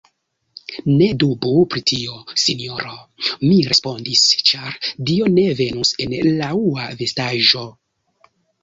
Ne dubu pri tio, sinjoro, mi respondis, Ĉar Dio ne venus en laŭa vestaĵo.